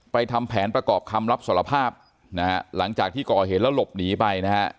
ทำแผนประกอบคำรับสารภาพนะฮะหลังจากที่ก่อเหตุแล้วหลบหนีไปนะฮะ